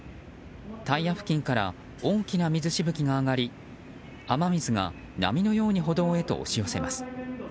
タイヤ付近から大きな水しぶきが上がり雨水が波のように歩道へと押し寄せます。